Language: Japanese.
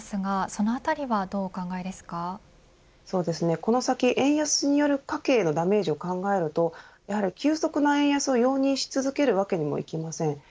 そうですね、この先円安による家計へのダメージを考えるとやはり急速な円安を容認し続けるわけにもいきません。